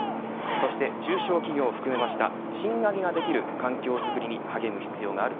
そして中小企業を含めました賃上げができる環境づくりに励む必要がある。